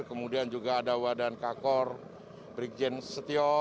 kemudian juga ada wadan kakor brigjen setio